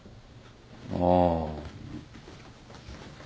ああ。